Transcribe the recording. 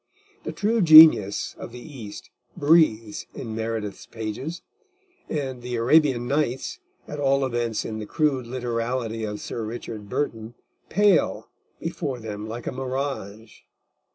The true genius of the East breathes in Meredith's pages, and the Arabian Nights, at all events in the crude literality of Sir Richard Burton, pale before them like a mirage.